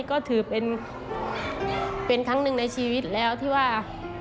ก็ถือเป็นครั้งหนึ่งในชีวิตแล้วที่ว่า